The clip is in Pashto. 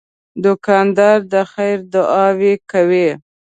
دوکاندار د خیر دعاوې کوي.